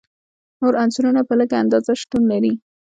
نور عنصرونه په لږه اندازه شتون لري.